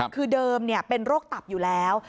คือเดิมเป็นโรคตับอยู่แล้ว